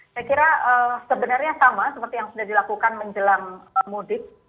saya kira sebenarnya sama seperti yang sudah dilakukan menjelang mudik